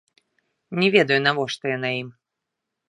Не ведаю, навошта яна ім.